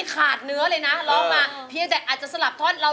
ก็บอกได้คำเดียวว่า